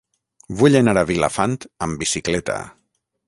Vull anar a Vilafant amb bicicleta.